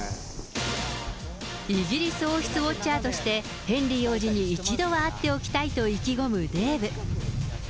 イギリス王室ウオッチャーとして、ヘンリー王子に一度は会っておきたいと意気込むデーブ。